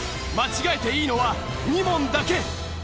間違えていいのは２問だけ！